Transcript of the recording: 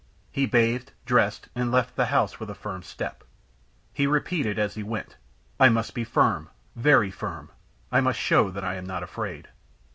He bathed, dressed, and left the house with a firm step. He repeated as he went: "I must be firm very firm. I must show that I am not afraid."